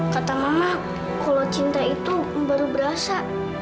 kata mama kalau cinta itu baru berasa